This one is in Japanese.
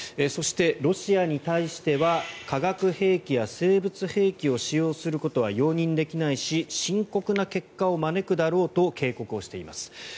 そして、ロシアに対しては化学兵器や生物兵器を使用することは容認できないし深刻な結果を招くだろうと警告しています。